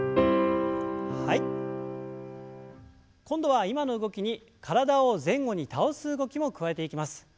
今度は今の動きに体を前後に倒す動きも加えていきます。